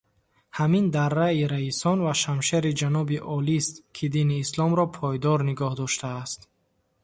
Ҳамин дарраи раисон ва шамшери ҷаноби олист, ки дини исломро пойдор нигоҳ доштааст.